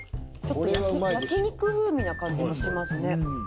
ちょっと焼き肉風味な感じがしますね。